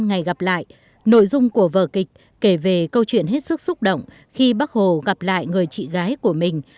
ngày gặp lại nội dung của vở kịch kể về câu chuyện hết sức xúc động khi bắc hồ gặp lại người chị gái của mình